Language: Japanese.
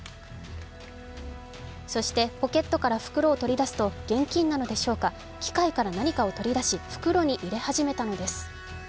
そして、ポケットから袋を取り出すと現金なのでしょうか、機械から何かを取り出し袋に入れ始めたのです。